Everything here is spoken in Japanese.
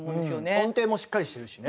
音程もしっかりしてるしね。